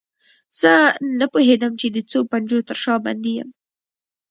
زه نه پوهیدم چې د څو پنجرو تر شا بندي یم.